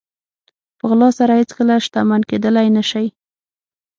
په غلا سره هېڅکله شتمن کېدلی نه شئ.